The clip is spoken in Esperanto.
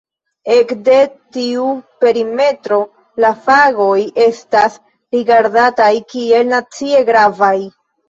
Ekde tiu perimetro la fagoj estas rigardataj kiel "nacie gravaj".